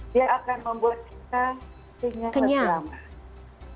dia akan membuat kita kenyang lebih lama